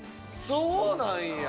そうなんや。